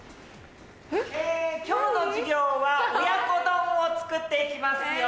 え今日の授業は親子丼を作って行きますよ。